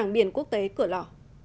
cảng biển quốc tế cửa lò